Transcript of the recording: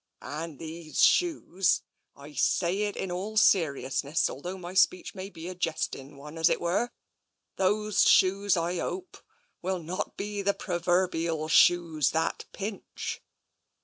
And those shoes — I say it in all seriousness, although my speech may be a jest ing one, as it were — those shoes, I hope, will not be the proverbial shoes that pinch."